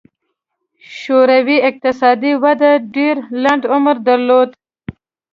شوروي اقتصادي وده ډېر لنډ عمر درلود.